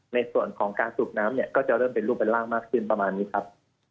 ในส่วนของการสูบน้ำเนี่ยก็จะเริ่มเป็นรูปเป็นร่างมากขึ้นประมาณนี้ครับ